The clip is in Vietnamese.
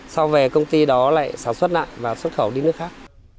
sau về công ty đó lại sản xuất lại và xuất khẩu đi nước khác